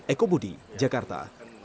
eko budi jakarta